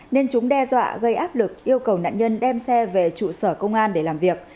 nên chúng đe dọa gây áp lực yêu cầu nạn nhân đem xe về trụ sở công an để làm việc